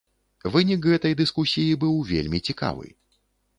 Вынік гэтай дыскусіі быў вельмі цікавы.